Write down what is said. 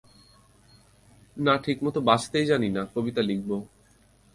না ঠিক মতো বাঁচতেই জানি না, কবিতা লিখব।